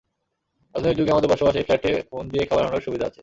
আধুনিক যুগে আমাদের বসবাস, এই ফ্ল্যাটে ফোন দিয়ে খাবার আনানোর সুবিধা আছে।